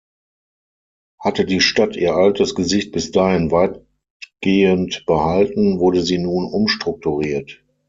Hatte die Stadt ihr altes Gesicht bis dahin weitgehend behalten, wurde sie nun umstrukturiert.